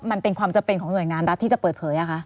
มันเป็นความจำเป็นของหน่วยงานรัฐที่จะเปิดเผย